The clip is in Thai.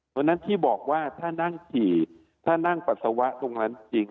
เพราะฉะนั้นที่บอกว่าถ้านั่งฉี่ถ้านั่งปัสสาวะตรงนั้นจริง